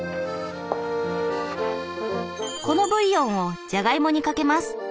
このブイヨンをじゃがいもにかけます。